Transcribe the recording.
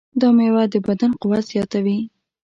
دا مېوه د بدن قوت زیاتوي.